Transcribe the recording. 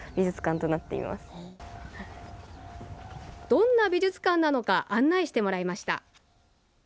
どんな美術館なのか案内してもらいました。